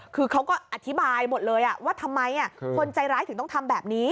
คือเขาก็อธิบายหมดเลยว่าทำไมคนใจร้ายถึงต้องทำแบบนี้